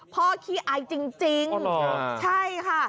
พ่อคิดอายจริงใช่ค่ะ